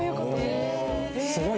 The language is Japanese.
すごい。